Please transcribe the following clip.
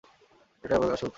এটাই আমার সুখ।